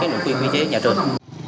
nội quyền nguy chế nhà trường